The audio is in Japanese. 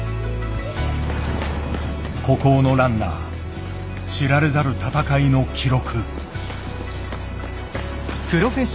孤高のランナー知られざる闘いの記録。